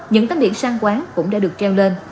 những tánh điện sang quán cũng đã được treo lên